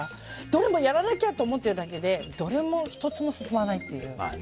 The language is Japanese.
どれもやらなきゃって思ってるだけでどれも１つも進まないっていう。